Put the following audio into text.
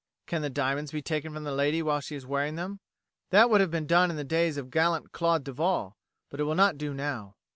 Can the diamonds be taken from the lady while she is wearing them? That would have done in the days of the gallant Claude Duval, but it will not do now.